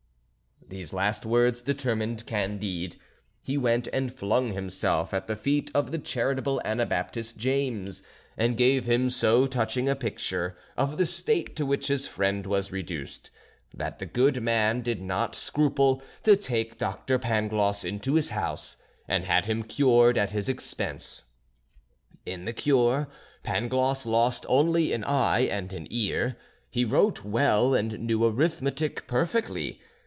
These last words determined Candide; he went and flung himself at the feet of the charitable Anabaptist James, and gave him so touching a picture of the state to which his friend was reduced, that the good man did not scruple to take Dr. Pangloss into his house, and had him cured at his expense. In the cure Pangloss lost only an eye and an ear. He wrote well, and knew arithmetic perfectly.